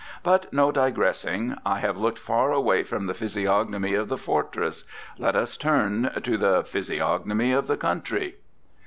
But no digressing! I have looked far away from the physiognomy of the fortress. Let us turn to the PHYSIOGNOMY OF THE COUNTRY.